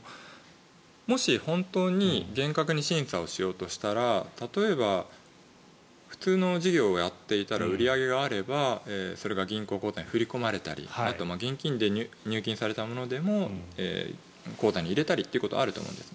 もし本当に厳格に審査をしようとしたら例えば普通の事業をやっていたら売り上げがあればそれが銀行口座に振り込まれたりあと、現金で入金されたものでも口座に入れたりということはあると思うんです。